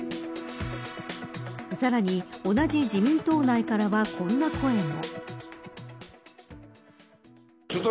さらに、同じ自民党内からはこんな声も。